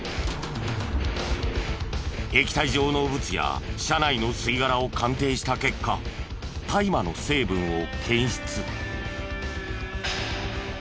液体状のブツや車内の吸い殻を鑑定した結果大麻の成分を検出。